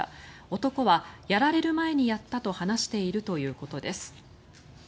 男は、やられる前にやったと話しているということです。